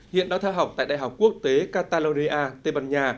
hiện đã theo học tại đại học quốc tế catalonia tây ban nha